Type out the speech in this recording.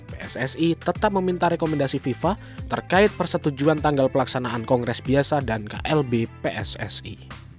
pssi tetap meminta rekomendasi fifa terkait persetujuan tanggal pelaksanaan kongres biasa dan klb pssi